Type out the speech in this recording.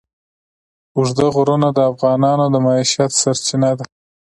اوږده غرونه د افغانانو د معیشت سرچینه ده.